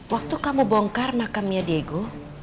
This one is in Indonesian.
waktu kamu bongkar makamnya diego